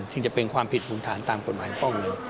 ซึ่งจะเป็นความผิดมูลฐานตามกฎหมายฟอกเงิน